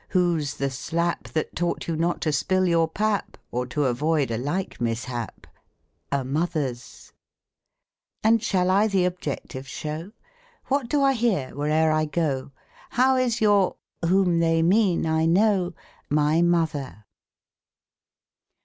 Whose the slap That taught you not to spill your pap. Or to avoid a like mishap ? A mother'' s ! And shall I the objective show ? What do I hear where'er I go? How is your ?— whom they mean I know. My mother